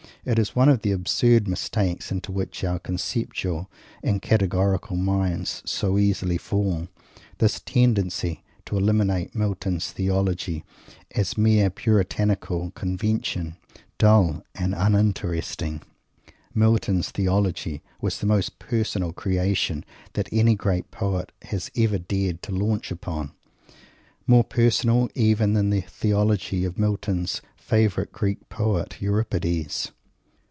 It is one of the absurd mistakes into which our conceptual and categorical minds so easily fall this tendency to eliminate Milton's Theology as mere Puritanical convention, dull and uninteresting. Milton's Theology was the most personal creation that any great poet has ever dared to launch upon more personal even than the Theology of Milton's favourite Greek poet, Euripides.